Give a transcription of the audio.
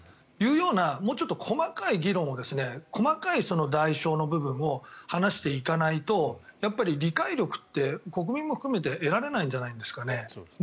もうちょっと細かい議論を細かい部分も話していかないと理解力って、国民も含めて得られないんじゃないですかね。